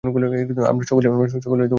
আমরা সকলেই ঐরূপ করিয়া থাকি।